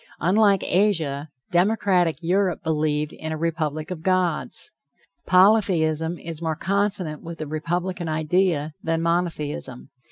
Unlike Asia, democratic Europe believed in a republic of gods. Polytheism is more consonant with the republican idea, than monotheism.